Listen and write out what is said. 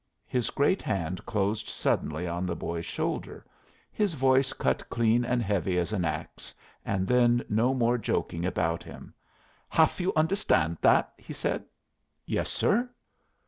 His great hand closed suddenly on the boy's shoulder, his voice cut clean and heavy as an axe, and then no more joking about him. "Haf you understand that?" he said. "Yes, sir."